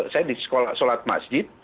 saya di sekolah sholat masjid